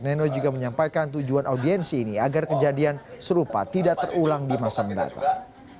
neno juga menyampaikan tujuan audiensi ini agar kejadian serupa tidak terulang di masa mendatang